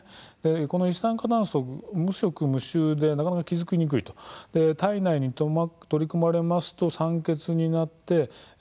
この一酸化炭素は無色無臭で気付きにくく体内に取り込まれますと酸欠になります。